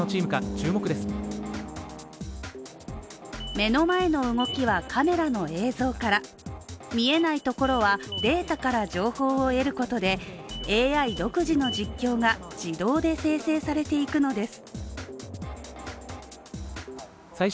目の前の動きはカメラの映像から、見えないところはデータから情報を得ることでＡＩ独自の実況が自動で生成されていくのです。